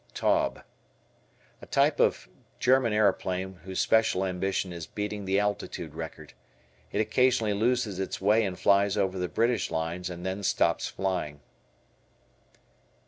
Taube. A type of German aeroplane whose special ambition is beating the altitude record. It occasionally loses its way and flies over the British lines and then stops flying.